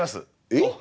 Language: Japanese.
えっ！？